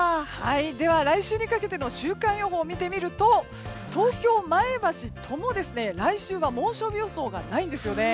では来週にかけての週間予報を見てみると東京、前橋ともに来週は猛暑日予想がないんですね。